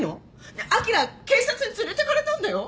ねえあきら警察に連れてかれたんだよ！